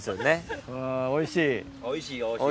おいしい？